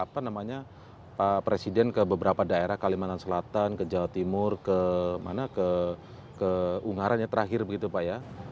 pak presiden ke beberapa daerah kalimantan selatan ke jawa timur ke ungaranya terakhir begitu pak ya